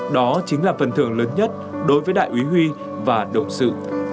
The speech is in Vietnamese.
đó chính là phần thưởng lớn nhất đối với đại úy huy và đồng sự